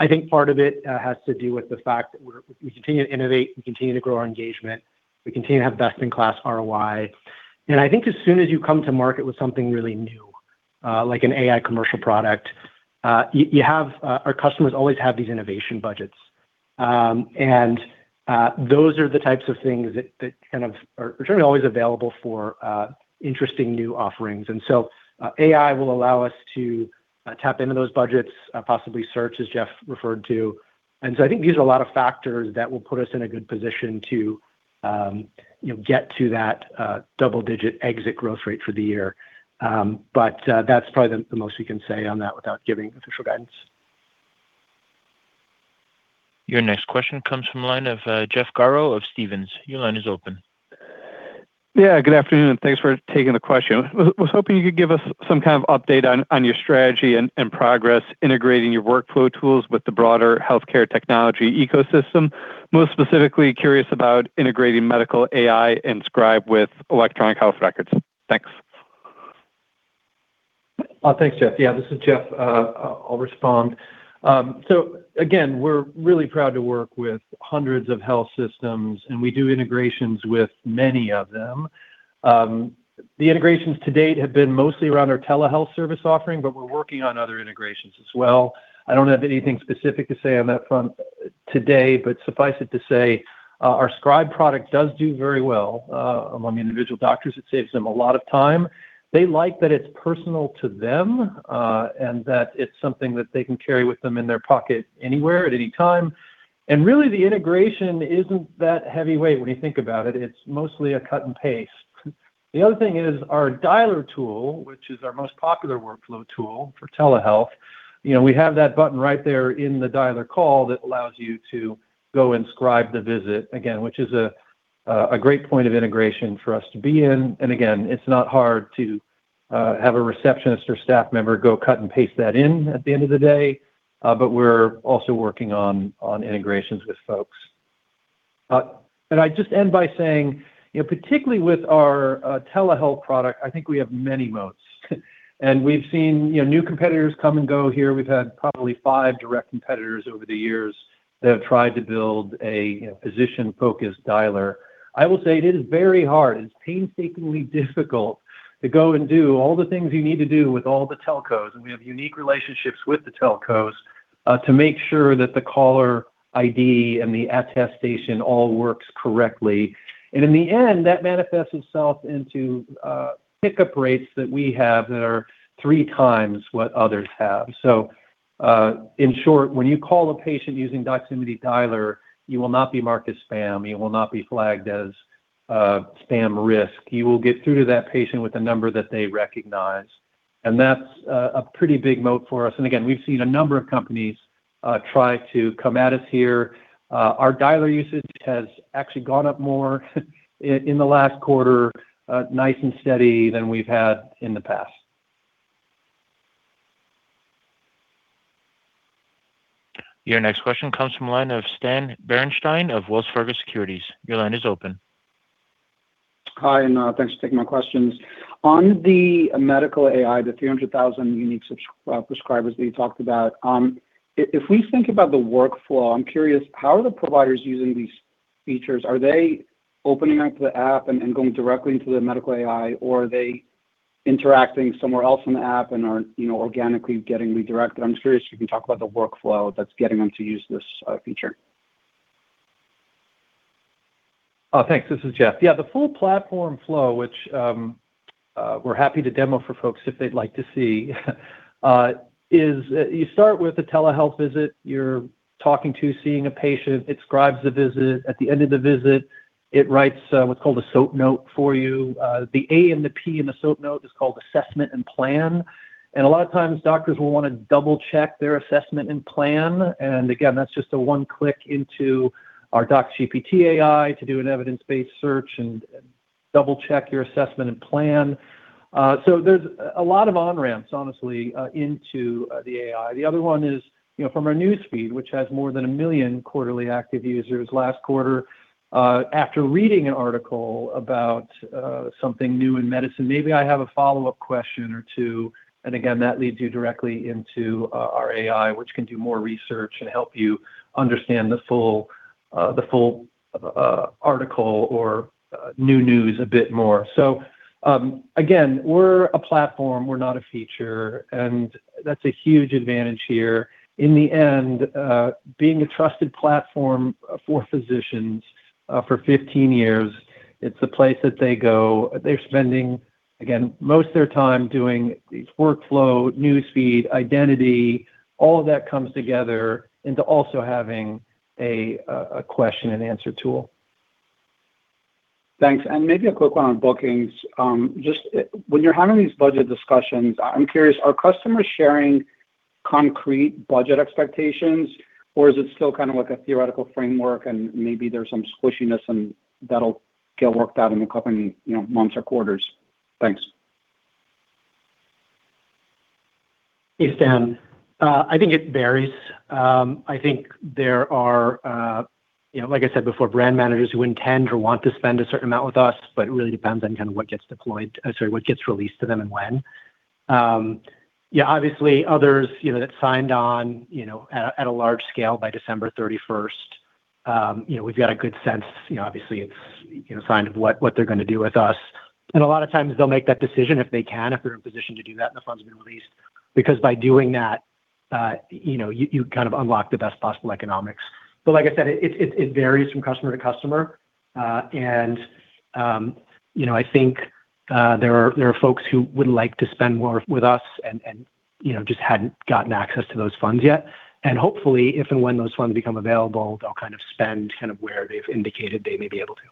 I think part of it has to do with the fact that we continue to innovate, we continue to grow our engagement, we continue to have best-in-class ROI. And I think as soon as you come to market with something really new, like an AI commercial product, you have... Our customers always have these innovation budgets. And those are the types of things that kind of are generally always available for interesting new offerings. And so AI will allow us to tap into those budgets, possibly search, as Jeff referred to. And so I think these are a lot of factors that will put us in a good position to, you know, get to that, double-digit exit growth rate for the year. But, that's probably the most we can say on that without giving official guidance. Your next question comes from line of, Jeff Garro of Stephens. Your line is open. Yeah, good afternoon, and thanks for taking the question. I was hoping you could give us some kind of update on your strategy and progress, integrating your workflow tools with the broader healthcare technology ecosystem. Most specifically curious about integrating medical AI and Scribe with electronic health records. Thanks.... Thanks, Jeff. Yeah, this is Jeff. I'll respond. So again, we're really proud to work with hundreds of health systems, and we do integrations with many of them. The integrations to date have been mostly around our telehealth service offering, but we're working on other integrations as well. I don't have anything specific to say on that front today, but suffice it to say, our Scribe product does do very well among individual doctors. It saves them a lot of time. They like that it's personal to them, and that it's something that they can carry with them in their pocket anywhere, at any time. And really, the integration isn't that heavyweight when you think about it. It's mostly a cut and paste. The other thing is our Dialer tool, which is our most popular workflow tool for telehealth, you know, we have that button right there in the Dialer call that allows you to go and Scribe the visit, again, which is a great point of integration for us to be in. And again, it's not hard to have a receptionist or staff member go cut and paste that in at the end of the day, but we're also working on integrations with folks. And I just end by saying, you know, particularly with our telehealth product, I think we have many moats. And we've seen, you know, new competitors come and go here. We've had probably five direct competitors over the years that have tried to build a, you know, physician-focused Dialer. I will say it is very hard. It's painstakingly difficult to go and do all the things you need to do with all the telcos, and we have unique relationships with the telcos to make sure that the caller ID and the attestation all works correctly. And in the end, that manifests itself into pickup rates that we have that are three times what others have. So, in short, when you call a patient using Doximity Dialer, you will not be marked as spam. You will not be flagged as spam risk. You will get through to that patient with a number that they recognize, and that's a pretty big moat for us. And again, we've seen a number of companies try to come at us here. Our Dialer usage has actually gone up more in the last quarter, nice and steady than we've had in the past. Your next question comes from the line of Stan Berenshteyn of Wells Fargo Securities. Your line is open. Hi, and thanks for taking my questions. On the medical AI, the 300,000 unique sub-- prescribers that you talked about, if, if we think about the workflow, I'm curious, how are the providers using these features? Are they opening up the app and, and going directly into the medical AI, or are they interacting somewhere else in the app and are, you know, organically getting redirected? I'm curious if you can talk about the workflow that's getting them to use this feature. Thanks. This is Jeff. Yeah, the full platform flow, which we're happy to demo for folks if they'd like to see, is, you start with a telehealth visit. You're talking to, seeing a patient, it Scribes the visit. At the end of the visit, it writes what's called a SOAP note for you. The A and the P in the SOAP note is called assessment and plan. And a lot of times, doctors will wanna double-check their assessment and plan. And again, that's just a one-click into our DocsGPT AI to do an evidence-based search and double-check your assessment and plan. So there's a lot of on-ramps, honestly, into the AI. The other one is, you know, from our Newsfeed, which has more than 1 million quarterly active users last quarter. After reading an article about something new in medicine, maybe I have a follow-up question or two, and again, that leads you directly into our AI, which can do more research and help you understand the full article or new news a bit more. So, again, we're a platform, we're not a feature, and that's a huge advantage here. In the end, being a trusted platform for physicians for 15 years, it's a place that they go. They're spending, again, most of their time doing workflow, Newsfeed, identity, all of that comes together into also having a question and answer tool. Thanks. And maybe a quick one on bookings. Just when you're having these budget discussions, I'm curious, are customers sharing concrete budget expectations, or is it still kind of like a theoretical framework and maybe there's some squishiness and that'll get worked out in a couple, you know, months or quarters? Thanks. Hey, Stan. I think it varies. I think there are, you know, like I said before, brand managers who intend or want to spend a certain amount with us, but it really depends on kind of what gets deployed, sorry, what gets released to them and when. Yeah, obviously, others, you know, that signed on, you know, at a, at a large scale by December 31st, you know, we've got a good sense. You know, obviously, it's, you know, a sign of what, what they're gonna do with us. And a lot of times they'll make that decision if they can, if they're in a position to do that, and the funds have been released, because by doing that, you know, you, you kind of unlock the best possible economics. But like I said, it, it, it varies from customer to customer. You know, I think there are folks who would like to spend more with us and, you know, just hadn't gotten access to those funds yet. Hopefully, if and when those funds become available, they'll kind of spend kind of where they've indicated they may be able to.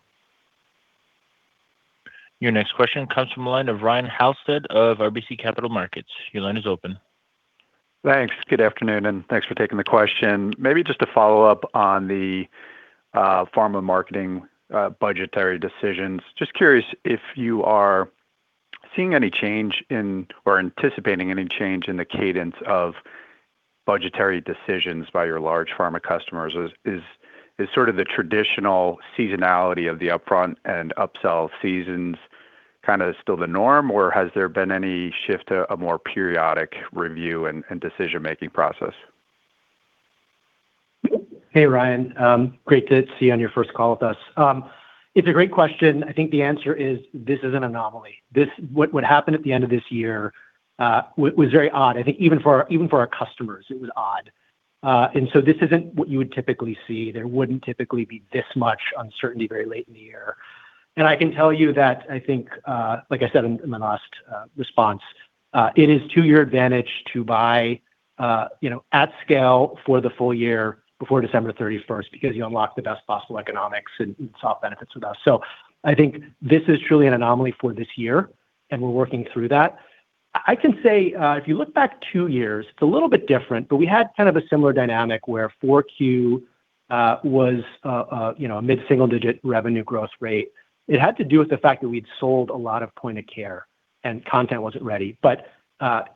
Your next question comes from the line of Ryan Halsted of RBC Capital Markets. Your line is open. Thanks. Good afternoon, and thanks for taking the question. Maybe just to follow up on the pharma marketing budgetary decisions. Just curious if you are seeing any change in or anticipating any change in the cadence of budgetary decisions by your large pharma customers is sort of the traditional seasonality of the upfront and upsell seasons kind of still the norm, or has there been any shift to a more periodic review and decision-making process? Hey, Ryan, great to see you on your first call with us. It's a great question. I think the answer is this is an anomaly. This—what happened at the end of this year was very odd. I think even for our customers, it was odd. And so this isn't what you would typically see. There wouldn't typically be this much uncertainty very late in the year. And I can tell you that I think, like I said in my last response, it is to your advantage to buy, you know, at scale for the full-year before December 31st, because you unlock the best possible economics and soft benefits with us. So I think this is truly an anomaly for this year, and we're working through that. I can say, if you look back two years, it's a little bit different, but we had kind of a similar dynamic where Q4, you know, was a mid-single-digit revenue gross rate. It had to do with the fact that we'd sold a lot of point of care and content wasn't ready. But,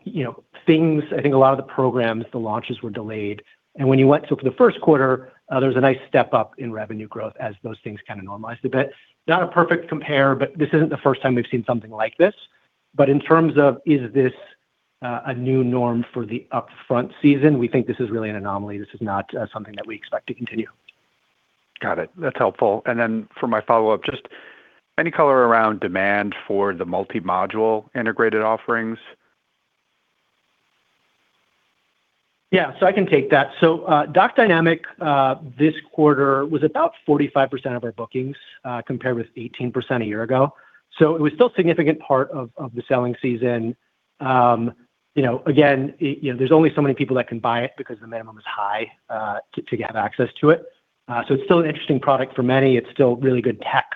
you know, things. I think a lot of the programs, the launches were delayed. And when you went to the first quarter, there was a nice step up in revenue growth as those things kind of normalized a bit. Not a perfect compare, but this isn't the first time we've seen something like this. But in terms of, is this, a new norm for the upfront season, we think this is really an anomaly. This is not something that we expect to continue. Got it. That's helpful. And then for my follow-up, just any color around demand for the multi-module integrated offerings? Yeah, so I can take that. So, DocDynamic, this quarter was about 45% of our bookings, compared with 18% a year ago. So it was still significant part of the selling season. You know, again, you know, there's only so many people that can buy it because the minimum is high, to have access to it. So it's still an interesting product for many. It's still really good tech.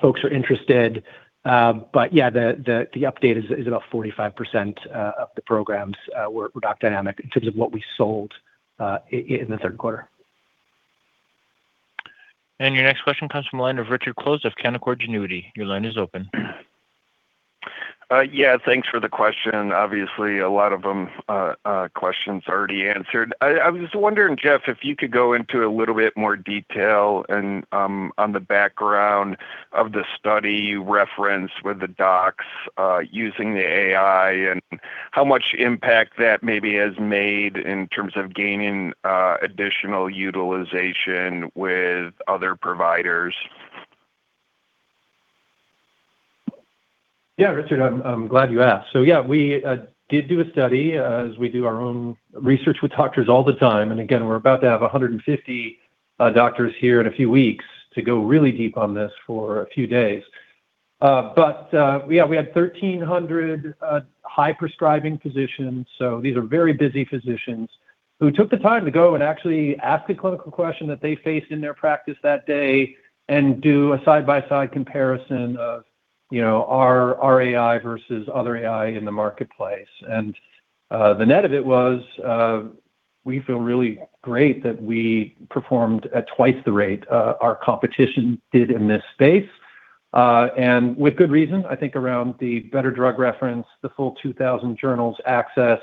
Folks are interested, but yeah, the update is about 45% of the programs were DocDynamic in terms of what we sold, in the third quarter. Your next question comes from the line of Richard Close of Canaccord Genuity. Your line is open. Yeah, thanks for the question. Obviously, a lot of them questions already answered. I was just wondering, Jeff, if you could go into a little bit more detail and on the background of the study you referenced with the docs using the AI, and how much impact that maybe has made in terms of gaining additional utilization with other providers. Yeah, Richard, I'm glad you asked. So yeah, we did do a study, as we do our own research with doctors all the time. And again, we're about to have 150 doctors here in a few weeks to go really deep on this for a few days. But we had 1,300 high prescribing physicians, so these are very busy physicians, who took the time to go and actually ask a clinical question that they faced in their practice that day and do a side-by-side comparison of, you know, our AI versus other AI in the marketplace. And the net of it was, we feel really great that we performed at twice the rate our competition did in this space, and with good reason. I think around the better drug reference, the full 2000 journals access,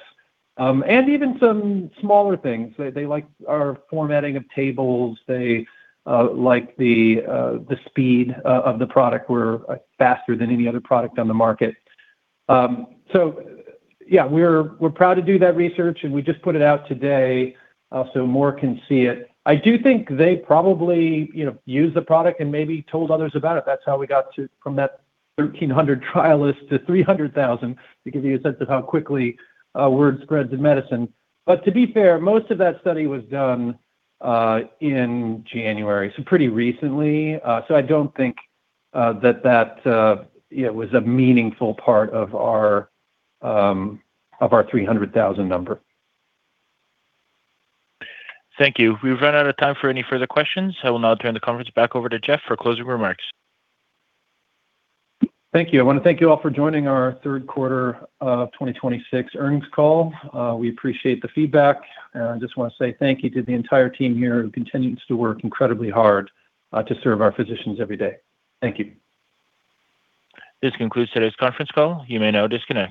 and even some smaller things. They, they like our formatting of tables, they like the speed of the product. We're faster than any other product on the market. So yeah, we're proud to do that research, and we just put it out today, so more can see it. I do think they probably, you know, use the product and maybe told others about it. That's how we got from that 1300 trialist to 300,000, to give you a sense of how quickly word spreads in medicine. But to be fair, most of that study was done in January, so pretty recently. So I don't think that you know was a meaningful part of our 300,000 number. Thank you. We've run out of time for any further questions. I will now turn the conference back over to Jeff for closing remarks. Thank you. I want to thank you all for joining our third quarter of 2026 earnings call. We appreciate the feedback, and I just want to say thank you to the entire team here who continues to work incredibly hard, to serve our physicians every day. Thank you. This concludes today's conference call. You may now disconnect.